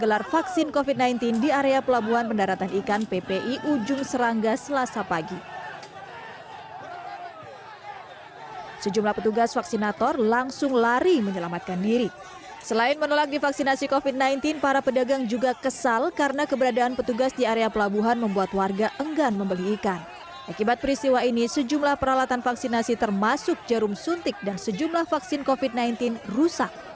akibat peristiwa ini sejumlah peralatan vaksinasi termasuk jarum suntik dan sejumlah vaksin covid sembilan belas rusak